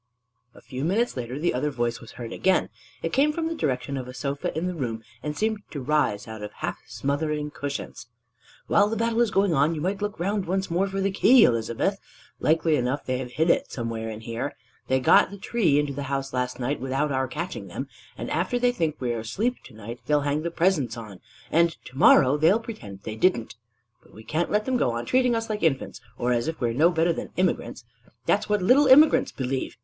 A few minutes later the other voice was heard again: it came from the direction of a sofa in the room, and seemed to rise out of half smothering cushions: "While the battle is going on, you might look around once more for the key, Elizabeth. Likely enough they have it hid somewhere in here. They got the Tree into the house last night without our catching them. And after they think we are asleep to night, they'll hang the presents on, and to morrow they'll pretend they didn't. But we can't let them go on treating us like infants, or as if we were no better than immigrants. That's what little immigrants believe!